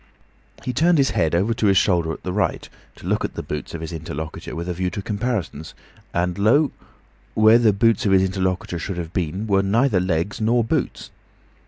He turned his head over his shoulder to the right, to look at the boots of his interlocutor with a view to comparisons, and lo! where the boots of his interlocutor should have been were neither legs nor boots.